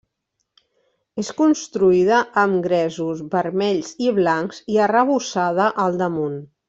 És construïda amb gresos vermells i blancs i arrebossada al damunt.